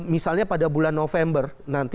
misalnya pada bulan november nanti